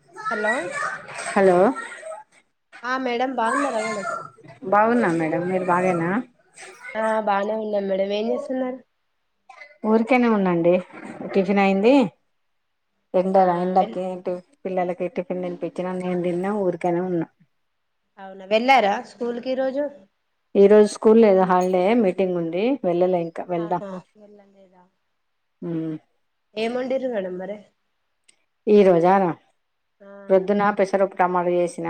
అ hello hello ఆ madam బాగున్నారా madam బాగున్నా మేడం మీరు బాగానా ఆ బానే ఉన్నమ్ మేడం ఏమ్ జేసున్నారు ఊరికేనే ఉన్నండి టిఫన్ అయింది ఆ ఎండ వెల్ ఎండకింటి పిల్లకి టిఫిన్ తినిపించినా నేను తిన్నా ఊరికనే ఉన్నా అవునా వెళ్ళారా స్కూల్ కీరోజు ఈ రోజు స్కూల్ లేదో హాలిడే మీటింగ్ ఉంంది వెళ్ళలే ఇంకా ఆహా వెల్లలేదా ఉ ఏం వండిన్రు మేడం మరి ఈ రోజా ఆ ప్రొద్దున పెసర పప్పు టమోటా చేసిన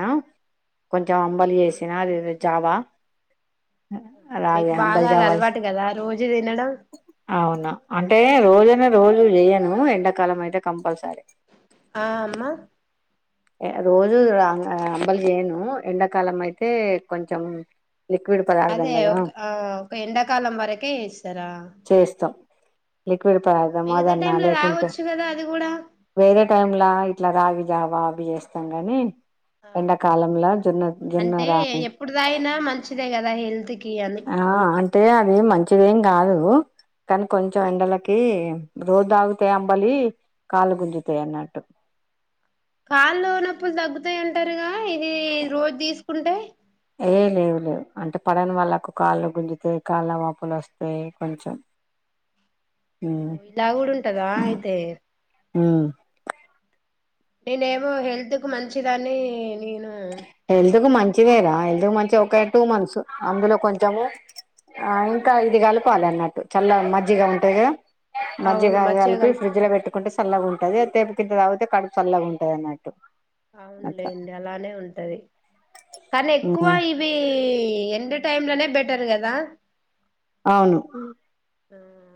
కొంచెం అంబలు అవును చేసినా అది చావా మీకు అలాగే బాగా అంబల్ అది జావా అలవాటు కదా రోజు తినడం అవును అంటే రోజు రోజు చేయను ఎండాకాలం అయితే కంపల్సరీ ఆ అమ్మా రోజు అంబలు చేయను ఎండాకాలం అయితే కొంచెం లిక్విడ్ పదార్థం అదే కదా ఒక ఆ ఒక ఎండాకాలం వరకే ఇస్తారా కుడితి తాగుతాం మిగతా అదన్నా టైమ్ లో లేకుంటే తాగొచ్చు కదా అది కూడా వేరే టైమ్లా ఇట్లా రా జావా చేస్తాం గాని ఆహ ఎండాకాలంలో జొన్న జొన్న అంటే రా ఎప్పుడు దాగినా మంచిదే కదా పహ ఆ అంటే అది మంచి ఇదేం కాదు కానీ కొంచెం ఎండలకి రోజు తాగుతే అంబలి కాళ్లు గుంజుతాయి అన్నట్టు కాళ్లు నొప్పి అప్పులు తగ్గుతాయి ఉంటారుగా ఈ రోజు తీసుకుంటే ఏ లేవు లేవు అంటే పడని వాళ్ళకు కాళ్ళు గుంజుతాయి కాళ్ళ వాపులు వస్తాయి కొంచెం ఉమ్ ఓ ఇలా కూడా ఉంటదా అయితే ఉమ్ నేనేమో హెల్త్ కు మంచిదని నేను హెల్త్ కు మంచిదేరా హెల్తు మంచిగా ఒక టూ మంత్స్ అందులో కొంచెము ఆ ఇంకా ఇది కలుపాలి అన్నట్టు చల్ల మజ్జిగా ఉంటదే మజ్జిగ అవును మంచిగా గలిపి ఫ్రిడ్జ్ లో కలుపుకొని పెట్టుకుంటే సల్లగా ఉం గదే తెపుకింత తగితే కడుపు సల్లాగా ఉంటది అన్నట్టు అట్లా అవునులెండి అలా నే ఉంటది కానీ ఎక్కువ ఇవి ఎండ టైంలోనే బె పెరుగదా అవును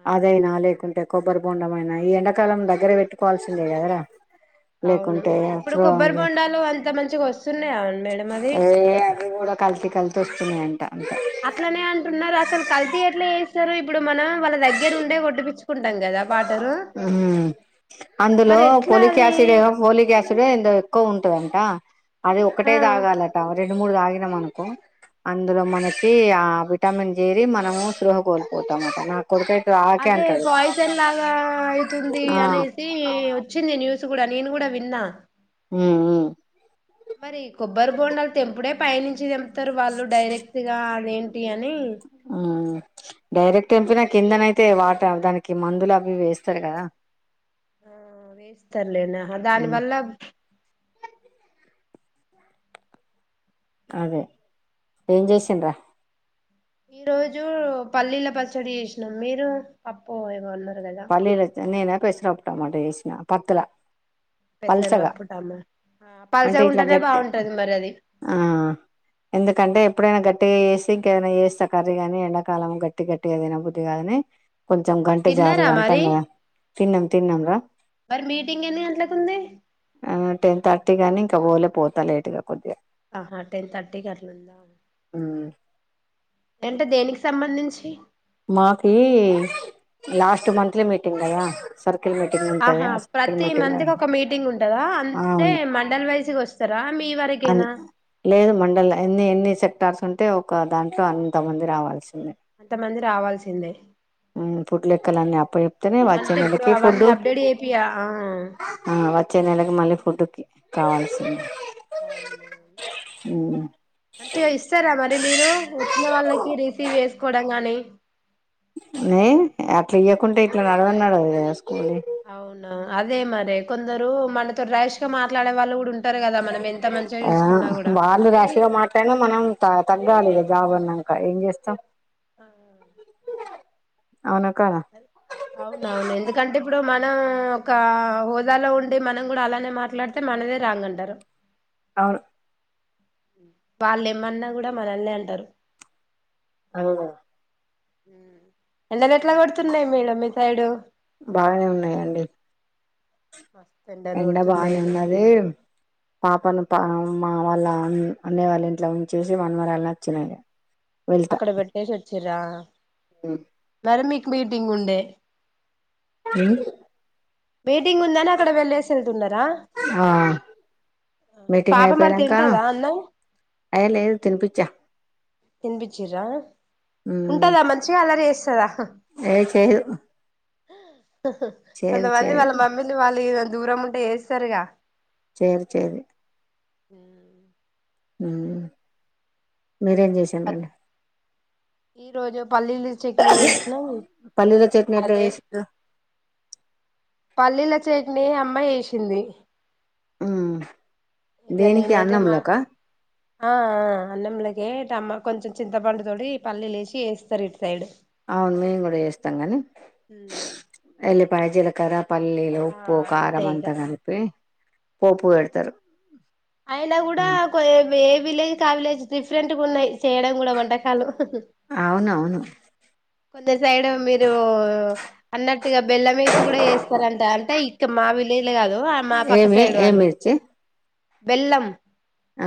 అదే అదయినా అదే లేకుంటే కొబ్బరి బొండమైనా ఈ ఎండకాలం దగ్గర పెట్టుకోవాల్సిందే గదరా అవును ఇప్పుడు కొబ్బరి బొండాలు అంత మంచిగా వస్తున్నాయా అం మేడం అది తుమే అంట అట్లనే అంటున్నారు అసలు కల్తీ ఎట్ల చేస్తారు ఇప్పుడు మన వాళ్ళ దగ్గర ఉండే కొట్టి పిచ్చు ఊహూ అందులో మరి ఎట్లా పోలిక్ అది యాసిడో ఫోలిక్ యాసిడో ఏందో ఎక్కువ ఉంటదంట. అది ఒక్కటే ఆ తాగాలట. రెండు మూడు తాగిన మనుకో అందులో మనకి ఆ విటమిన్ జేరి మనము స్పృహ కోల్పోతామాట నాకు కొడుకైతే ఆకే అంటాడు జన్ లాగా ఐతుంది ఆ అనేసి వచ్చింది న్యూస్ కూడా నేను గూడా విన్నా మ్మ్ హ్మ్ మరి కొబ్బరి బోండాల్ తెంపుడే పైనించి తెంపుతారు వాళ్ళు డైరెక్ట్గా అదేంటి అని హ్మ్ డైరెక్ట్ తెంపినా కిందనయితే వాట దానికి మందులు అవి వేస్తారు కదా ఆ వేస్తారులేనా ఉమ్ దానివల్ల అదే ఏం చేసిండ్రా ఈ రోజు పల్లీల పచ్చడి చేసినం మీరు పప్పు ఏమన్నా పల్లీలి చ్చ నేన పెసరాకుటమాట చేసిన పత్తుల పెసరు పల్చగా పప్పు టమా అంటే పల్సగా ఇట్లా ఉంటేనే గట్టి బాగుంటది మరి అది ఆ ఎందుకంటే ఎప్పుడైనా గట్టిగా చేసి ఇంకేదైనా చేస్తా కర్రీగానీ ఎండాకాలం గట్టి గట్టి గా తిన బుద్ధిగాని కొంచెం గంటి దుర తిన్నారా అంటాం మరి గదా తిన్నాం తిన్నాం రా మరి మీటింగ్ ఎన్ని గంటలకు ఉంది ఆ టెన్ థర్టీకి అ అని ఇంక పోల పోతా లేటుగా కొద్దిగా ఆహా టెన్ థర్టీ కి అట్ల ఉందా హ్మ్ అంటే దేనికి సంబంధించి మాకి లాస్ట్ మంత్లీ మీటింగ్ గదా సర్ ఆహా ప్రతి మంత్కి ఒక మీటింగ్ ఉంటదా అంతే అవును మండలి వైజగా వస్తారా మీ అ వరకేనా కార్ట్స్ ఉంటే ఒక దాంట్లో అంత మంది రావాల్సిందే అంతమంది రావాల్సిందే మ్మ్ ఫుడ్ లెక్కలన్నీ అప్ప చెప్తేనే వచ్చే అంటే ఇప్పుడు నెలకి అవన్నీ ఫుడ్ అప్డేట్ అయిపియా ఆ ఆ వచ్చే నెలకి మళ్ళీ ఫుడ్కి కావాల్సింది. అవునా హ్మ్ మంచిగా ఇస్తారా మరి మీరు వచ్చిన వాళ్ళకి రిసీవ్ చేసు కొడంగానే నే అట్ల ఇయ్యకుంటే ఇట్లా నడవన్ నడవదగద అవునా అదే మరి కొందరు మనతో రేష్ గా మాట్లాడే వాళ్ళు కూడా ఉంట ఆ వాళ్ళు రాష్ గా మాట్లాడిన మనం త తగ్గాలి జాబన్నాంక ఏం చేస్తాం ఆ అవునా కాదా అవునవును ఎందుకంటే ఇప్పుడు మన మనం ఒక హోదాలో ఉండి మనం గూడా అలానే మాట్లాడితే మనదే రాంగ అంటారు అవును వాళ్ళేమన్నా గూడా మనల్నే అంటారు ఆ ఎండలు ఎట్లా కొడుతున్నాయి మీడ మీ సైడు బాగానే ఉన్నాయండి మస్తు ఎండలు ఎండ బానే కొడుతున్నాయి ఉన్నది పాపను పా అమ్మ వాళ్ళ అన్ అన్నయ్య వాళ్ళ ఇంట్లో ఉంచేసి మన మరాలు నచ్చినాయి అక్కడ పెట్టేసి చిర్ర ఉ సరే మీకు మీటింగ్ ఉండే ఊ మీటింగ్ ఉందని అక్కడ వెళ్ళలేస ఆ మీటింగ్ పాప మరి అయిపోనాక తింటదా అన్నం అయ లేదు తినిపచ్చా తి న్పిచిరా ఉంటదా మంచిగా అలా చేేస్త టదా ఏ చేదు కొంత మంది వాళ్ళ మమ్మీని వాళ్ళి దూరం ఉంటే యేస్తరుగా చేయరు చేరు ఆ ఊ మీరేం చేసానండి ఈ రోజు పల్లీలు చట్నీ చేసినాం పల్లీల చట్నీ ఎట్లా అదే చేసిర్రు పల్లీల చట్నీ అమ్మాయి జేసింది మ్మ్ ఇక దేనికి నేనైతే మా అన్నంలోక ఆ అన్నం యే టమ్మా కొంచెం చింతపండు తోడి పల్లీ లేసి వేస్తారు ఇటు సైడ్ అవును మేము కూడా చేస్తాం గాని ఊ యాల్లిపాయ జిలకరా పల్లీలు ఉప్పు అంతే కారం ఇగ అంతా కలిపి పోపు వెడతారు అయిలా కూడా కో ఏ విలేజ్ కా విలేజ్ డిఫరెంట్గా ఉన్నాయి చేయడం కూడా వంటకాలు అవునవును కొంద సైడ్ మీరు అన్నట్ ఇ ఇక బెల్లం వేసి కూడా వేస్తారంట అంటే మావలే ఇలే కాదు ఆ మా పక్క ఏమి సైడ్ ఏ వాళ్ళు మిర్చి బెల్లం ఆ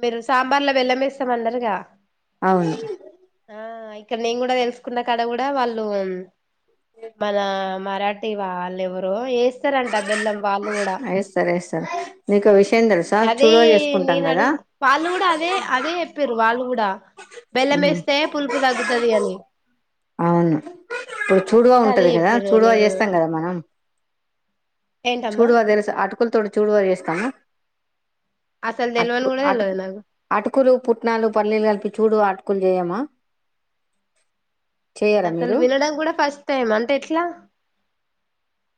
మీరు సాంబార్లో బెల్లం వేస్తాం అన్నారుగా అవును ఆ ఇక్కడ నేను కూడా తెలుసుకున్నా కడ కూడా వాళ్ళు మళ మరాఠీ వాళ్ళు ఎవరో వేస్తారంట బెల్లం వాళ్ళు కూడా ఏస్తారు ఏస్తారు నీకు విషయం తెలుసా అదే చుడువ చేసుకుంటాం నేను అడు కదా వాళ్ళు కూడా అదే అదే చెప్పారు వాళ్ళు కూడా బల్ మ్మ్ మేస్తతే పుల్పు దగుతే ని అవును చూడువా అదే ఉంటది కదా చెప్పిర్రు చూడువా నేను చేస్తాం కదా మనం ఏంటమ్మా చూడుదరస ఆట ముకుల తో చూడు చేస్తాము అసలు అటు తెలవని కూడా అటు తెలవదు నాకు అటుకులు పుట్నాలు పల్లీలు కల్పించ చూడు ఆటుకులు చేయమా చేయరా నన్నస్సలు మీరు వినడాడంం కూడా ఫస్ట్ టైమ్ ఏమంటే ఎట్లా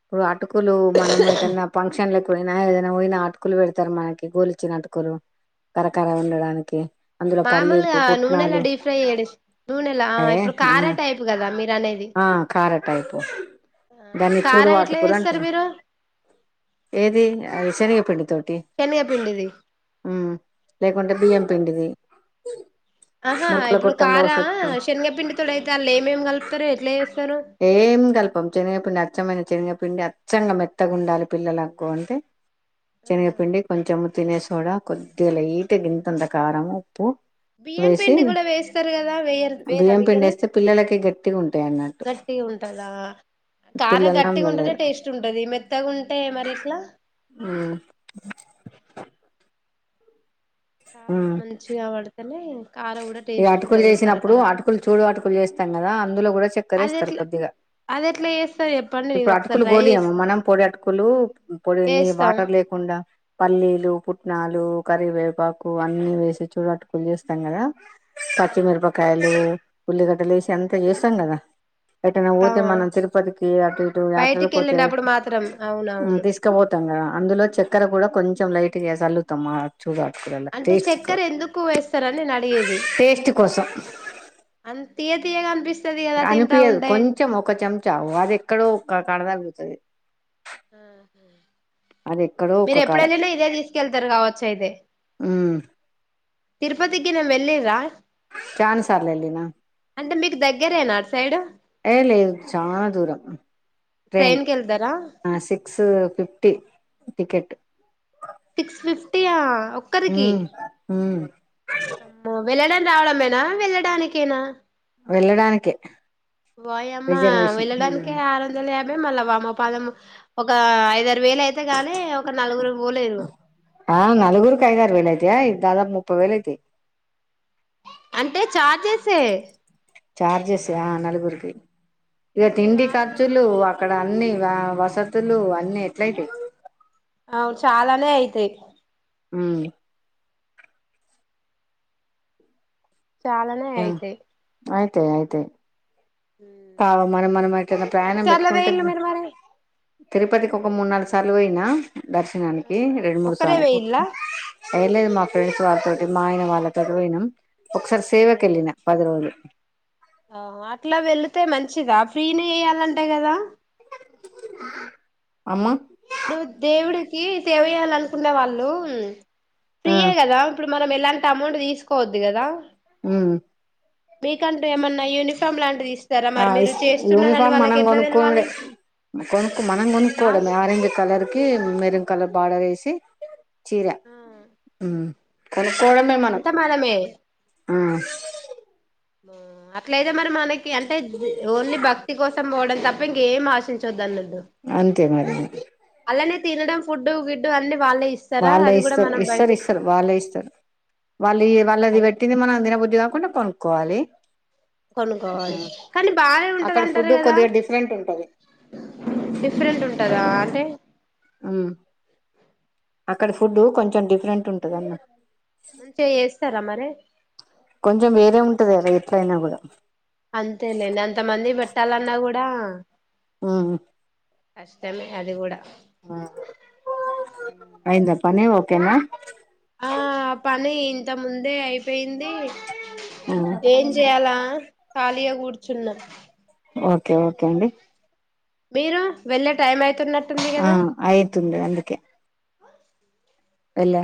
ఇప్పుడు అటుకులు మనం ఏటన్నా ఫంక్షన్ల పోయినా ఏదైనా పోయిన అటుకులు పెడతారు మనకి గోలిచినటుకులు కరకర ఉండడానికి అందులో పల్లీలు మామూలుగా నూనెలా పుట్నాలు డీప్ ఫ్రై చేయ నూనెలా ఏ ఇప్పుడు ఆ కారా టైప్ కదా మీర ఆ కార టైపు ఆ దాన్ని చూడు కారా ఎట్లా వాటుకులు చేస్తారు అంటారు మీరు ఏది అది శనగపిండి తోటి శనగపిండిది లేకుంటే ఉమ్ బియ్యం పిడిది ఆహా ఇప్పుడు కారా శనగపిండి తోడ అయితే ఆలు ఏమేం కలుపుతారుో ఎట్లే ఏం కల్పం చెన్నగ పిండి అచ్చమైన శనగపిిండి అచ్చంగా మెత్తగా ఉండాలి పిల్లలక్కు అంటే ఆ శనగపిండి కొంచెం తినేసోడా కొద్ది లైట్ గింతంత కారం ఉప్పు బియ్యం వేసి పిండి కూడా వేస్తారు కదా వేయరు వేరా బియ్యం పిండి మీకెళ్ళి వేస్తే పిల్లలకి గట్టిగా ఉంటాయి అన్నట్టు గట్టిగా ఉంటదా కార పిల్లలు గట్టిగా ఉంటేనే నమ్మలలేరు టేస్ట్ ఉంటది మెత్తగా ఉంటే మరి ఎట్లా కారం మంచిగా పడుతనే ఈ అటుకులు చేసినప్పుడు అటుకులు చుడో అటుకులు చేస్తాం కదా అందులో కూడా చక్కర అది వేస్తారు ఎట్లా కొద్దిగా అది ఎట్లా చేస్తారు చెప్పండి నేను ఇప్పుడు ఒకసారి అటుకులు ట్రై గోలియము చేస్తా మనం పొడి అటుకులు పొడిని చేస్తాం వాటర్ లేకుండా పల్లీలు పుట్నాలు కరివేపాకు అన్ని వేసి చూడ అటుకులు చేస్త స్తాం కథ పచ్చిమిరపకాయలు ఉల్లిగడ్డలు వేసి అంతా చేస్తాం కదా ఎటైనా ఆ పోతే మనం తిరుపతికి అటు ఇటు యాత్రలకు బయటికి పోతే వెళ్ళినప్పుడు మాత్రం అవునవును తీసుకుపోతాం కదా అందులో చక్కెర కూడా కొంచెం లైట్ క చల్లుతం మా అంటే చక్కెర ఎందుకు వేస్తారని నేను అడిగేది టేస్ట్ కోసం అంత తీయ తీయగా అనిపిస్తది కదా తింటా అనిపియదు ఉంటే కొంచెం ఒక చెంచా అది ఎక్కడో ఒక కాడ వత్తాది అహ ఎక్కడో మీరు ఒక ఎప్పుడు కాడ వెళ్ళిన ఇదే తీసుకెళ్తారు కావచ్చు అయితే ఉమ్ తిరుపతికిగిన వెళ్ళిరా చానా సార్లు వెళ్లిన అంటే మీకు దగ్గరేనా అటు సైడ్ ఏ లేదు చానదురం ట్రెన్ ట్రైన్ కి వెళ్తారా సిక్స్ ఫిఫ్టీ టికెట్ సిక్స్ ఫిఫ్టీయా ఒక్కరికి మ్మ్ మ్మ్ అమ్మో వెళ్లడా రావడమేనా వెళ్ళడానికేనా వెళ్ళడానికి ఓయమ్మా వెళ్ళడానికి ఆరు వందల యా మేం మల్ల వామ పాదం ఒక ఐద వేలు అయితే గానీ ఒక నలుగురు పోలేదు ఆ నలుగురికి ఐదారు వేలు అయితాయా దాదాపు ముప్పు వేలు అయితే అంటే చార్జెస్ ఏ చార్జెస్ ఆ నలుగురికి ఇక ఇప్పుడు మీరు తిండి ఆరు వందలు ఖర్చులు అక్కడ అన్ని ఆ వసతులు అన్నీ ఎట్లయితే అవును చాలానే అయితే ఉ చాలానే అయితే తే అయితే కావు మనం మనంనా ప్రయాణం ఎన్నిసార్లు పెట్టుకుంటు పోయిల్లు మీరు మరి తిరుపతికి ఒక మూడు నాలుగు సార్లు పోయిన దర్శనానికి రెండు మూడు ఒక్కరే సార్లు పోయిల్లా పోయిన ఏ లేదు మా ఫ్రెండ్స్ వాళ్ళతోటి మా ఆయన వాళ్ళతోటి పోయినం ఒకసారి సేవకి అందరు వెళ్లిన పది రోజులు ఆ అట్లా వెళితే మంచిదా ఫ్రీ నే చెయ్యాలి అంట కదా అమ్మ ఇప్పుడు దేవుడికి సేవ చేయల్ల అనుకునే వాళ్లు ఫ్రీ ఆ ఏ కదా ఇప్పుడు మనం ఎలాంటి అమౌంట్ తీసుకోవద్దు కదా ఉమ్ మీకంటూ ఏమన్నా యూనిఫాం ఆమ్లాండిస్ ఆ యూనిఫార్మ్ మనం తెలవాలి కొనుక్కుండే కొనుకు మనం ఆ కొనుక్కోవాలి ఆరెంజ్ కలర్ కి మెరన్ కలర్ బార్డర్ వేసి చీరా ఉమ్ కదా అంత మనమే ఆ అట్లయితే మరి మనకి అంటే ఓన్లీ భక్తి కోసం పోవడం తప్ప ఇంకా ఏం ఆశించవద్దు అన్నది అంతే మరి తినడం ఫుడ్డు విడ్ అం వాళ్ళే ఇస్తారు ఇస్తారు ఇస్తారు వాళ్ళే ఇస్తారు వాళ్ళు వాళ్ళది పెట్టింది మనం తినబుద్ధి కాకుంటే కొను కోవాలి కొనుక్కోవాలి కానీ బాగానే ఉంటది అక్కడ అంటారు ఫుడ్ కదా కొద్దిగా డిఫరెంట్ ఉంటది డిఫరెంట్ ఉంటదా తే ఉమ్ అక్కడ ఫుడ్ కొంచెం డిఫరెంట్ ఉంటదమ్మా మంచి చేస్తారా మరి కొంచెం వేరే ఉంటది గద ఎట్లయినా కూడా. అంతేలేండి అంత మందిక్ పెట్టాలన్నా కూడా ఆ కష్టమే అది కూడా. ఆ అయింద పనీ ఒ కేనా ఆ పనీ ఇంతక్ ముందే అయిపోయిందీ ఏం చేయాలా ఖాళీగ కూర్చున్న. ఓకే ఓకే అండి. మీరూ వెళ్ళట్ ఆ అయితుంది అందుకే. వెళ్ల